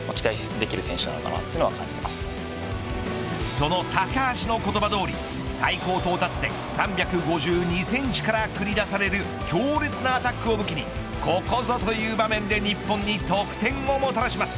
その高橋の言葉どおり最高到達点３５２センチから繰り出される強烈なアタックを武器にここぞという場面で日本に得点をもたらします。